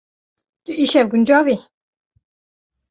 Tu îşev guncav î?